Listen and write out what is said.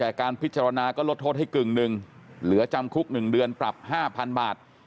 แต่การพิจารณาก็ลดโทษให้กึ่งหนึ่งเหลือจำคุก๑เดือนปรับ๕๐๐๐บาท